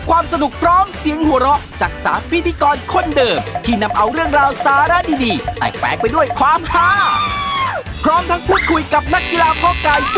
คุณชมครับเจอกันทุกอย่างร้ำคนแบบนี้นะครับ